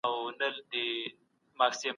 که امن وي، اقتصاد وده کوي.